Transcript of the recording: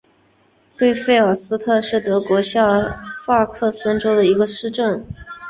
贝费尔斯特是德国下萨克森州的一个市镇。